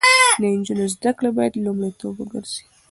د نجونو زده کړې باید لومړیتوب وګرځي.